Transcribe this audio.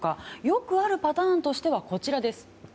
よくあるパターンとしてはこちらです。